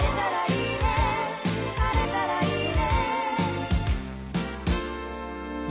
「晴れたらいいね」